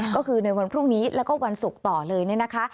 ก็คือในวันพรุ่งนี้แล้วก็วันศุกร์ต่อเลยเนี่ยนะคะ